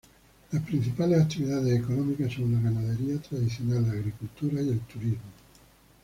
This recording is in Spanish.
Las principales actividades económicas son la ganadería tradicional, la agricultura y el turismo.